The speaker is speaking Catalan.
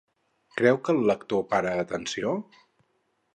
Creu que el lector para atenció?